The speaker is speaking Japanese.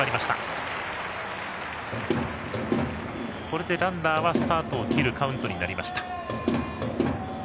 これでランナーはスタートを切るカウントです。